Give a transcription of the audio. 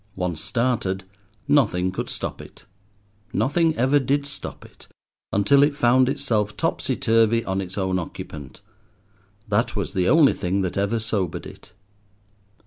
Once started nothing could stop it—nothing ever did stop it, until it found itself topsy turvy on its own occupant. That was the only thing that ever sobered it.